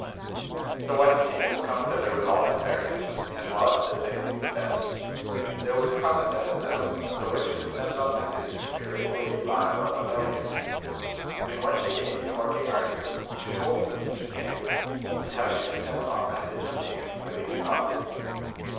So when the king was come thither with all his baronage, and lodged as they seemed best, there was come a damosel the which was sent on message from the great lady Lile of Avelion. And when she came before King Arthur, she told from whom she came, and how she was sent on message unto him for these causes.